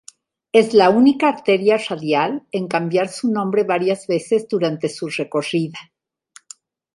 Es la única arteria radial en cambiar su nombre varias veces durante su recorrida.